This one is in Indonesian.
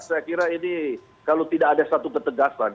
saya kira ini kalau tidak ada satu ketegasan